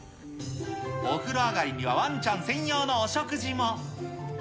お風呂上りには、ワンちゃん専用のお食事も。